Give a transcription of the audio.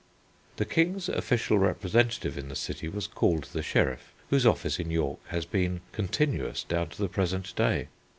The King's official representative in the city was called the sheriff, whose office in York has been continuous down to the present day.